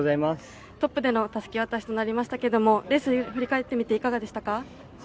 トップでのたすき渡しとなりましたけどレース振り返ってみていかがでしたか？